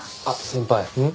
あっ先輩。